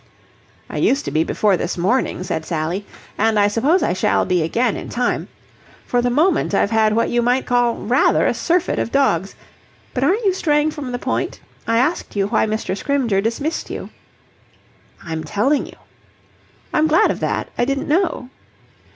"I used to be before this morning," said Sally. "And I suppose I shall be again in time. For the moment I've had what you might call rather a surfeit of dogs. But aren't you straying from the point? I asked you why Mr. Scrymgeour dismissed you." "I'm telling you." "I'm glad of that. I didn't know."